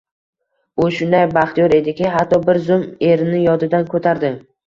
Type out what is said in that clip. U shunday baxtiyor ediki, hatto bir zum erini yodidan ko`tardi